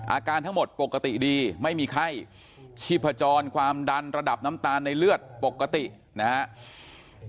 อาการทั้งหมดปกติดีไม่มีไข้ชีพจรความดันระดับน้ำตาลในเลือดปกตินะครับ